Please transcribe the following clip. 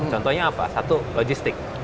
contohnya apa satu logistik